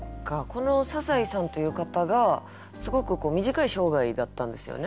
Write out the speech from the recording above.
この笹井さんという方がすごく短い生涯だったんですよね。